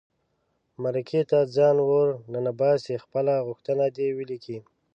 مرکې ته ځان ور ننباسي خپله غوښتنه دې ولیکي.